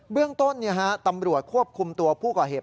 เรื่องต้นตำรวจควบคุมตัวผู้ก่อเหตุ